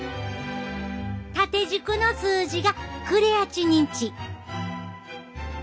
縦軸の数字がクレアチニン値。